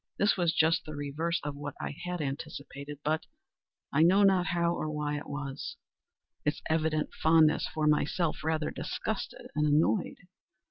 This was just the reverse of what I had anticipated; but—I know not how or why it was—its evident fondness for myself rather disgusted and annoyed.